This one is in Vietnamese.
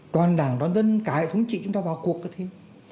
toàn đảng toàn dân cả hệ thống trị chúng ta vào cuộc có thế